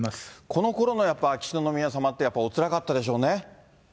このころのやっぱ、秋篠宮さまって、やっぱりおつらかったでしょうね。